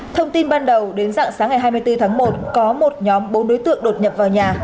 thông tin ban đầu đến dạng sáng ngày hai mươi bốn tháng một có một nhóm bốn đối tượng đột nhập vào nhà